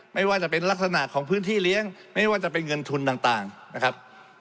ไม่ว่าจะเป็นลักษณะของพื้นที่เลี้ยงไม่ว่าจะเป็นเงินทุนต่างนะครับ